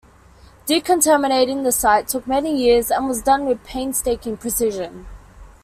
Decontaminating the site took many years and was done with painstaking precision.